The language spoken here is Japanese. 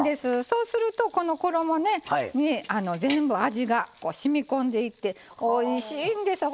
そうするとこの衣に全部味がしみこんでいっておいしいんです